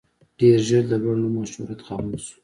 ډېر ژر د لوړ نوم او شهرت خاوند شو.